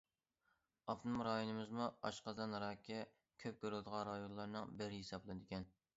ئاپتونوم رايونىمىزمۇ ئاشقازان راكى كۆپ كۆرۈلىدىغان رايونلارنىڭ بىرى ھېسابلىنىدىكەن.